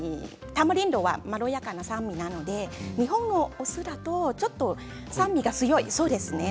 タマリンドはまろやかな酸味なので日本のお酢ですと酸味が強いんです。